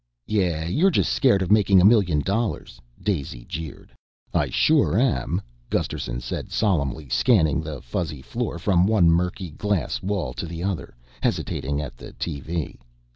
"Yah, you're just scared of making a million dollars," Daisy jeered. "I sure am," Gusterson said solemnly, scanning the fuzzy floor from one murky glass wall to the other, hesitating at the TV.